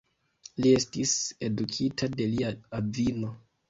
Li estis edukita de lia avino.